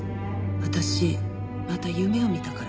私また夢を見たから。